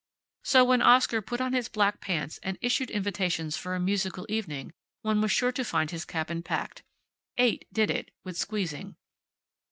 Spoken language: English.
Oh, when Oscar put on his black pants and issued invitations for a musical evening one was sure to find his cabin packed. Eight did it, with squeezing.